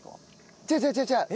違う違う違う違う。